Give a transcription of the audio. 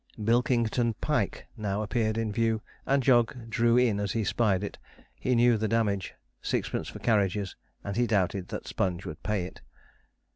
Bilkington Pike now appeared in view, and Jog drew in as he spied it. He knew the damage: sixpence for carriages, and he doubted that Sponge would pay it.